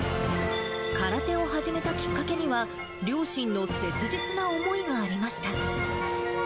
空手を始めたきっかけには、両親の切実な思いがありました。